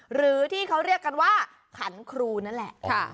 หรือที่เขาเรียกกันว่าขันครูนั่นแหละ